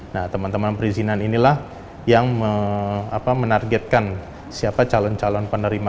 nah teman teman perizinan inilah yang menargetkan siapa calon calon penerima